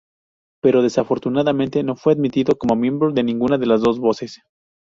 Pero desafortunadamente no fue admitido como miembro ninguna de las dos veces.